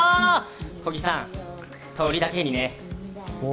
小木さん、「とり」だけにね。